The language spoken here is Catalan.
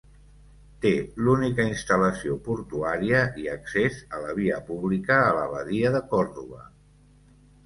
Té l'única instal·lació portuària i accés a la via pública a la badia de Còrdova.